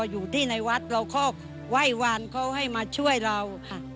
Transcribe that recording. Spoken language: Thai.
เขาไหว้วานเขาให้มาช่วยเราค่ะ